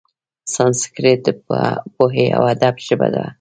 سانسکریت د پوهې او ادب ژبه وه.